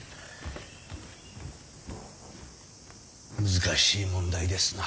難しい問題ですな。